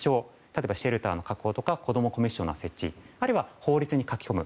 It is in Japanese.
例えばシェルターの確保とか子どもコミッショナー設置あるいは、法律に書き込む。